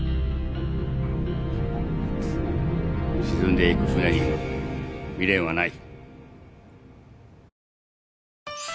沈んでいく船に未練はない。